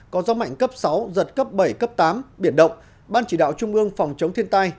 có gió mạnh cấp sáu giật cấp bảy cấp tám biển động ban chỉ đạo trung ương phòng chống thiên tai